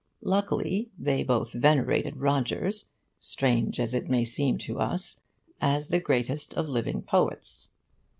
Luckily they both venerated Rogers (strange as it may seem to us) as the greatest of living poets.